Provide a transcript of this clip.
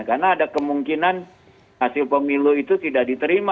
karena ada kemungkinan hasil pemilu itu tidak diterima